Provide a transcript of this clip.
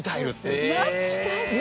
懐かしい！